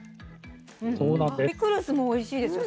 ピクルスもおいしいですよ。